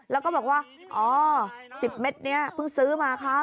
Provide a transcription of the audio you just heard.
แล้วก็บอกว่าอ๋อ๑๐เม็ดนี้เพิ่งซื้อมาคะ